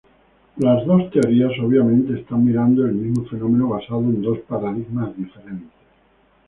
Las dos teorías obviamente están mirando el mismo fenómeno basado en dos paradigmas diferentes.